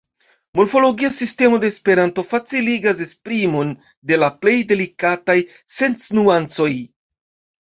Morfologia sistemo de esperanto faciligas esprimon de la plej delikataj senc-nuancoj.